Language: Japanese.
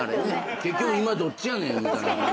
結局今どっちやねんみたいな。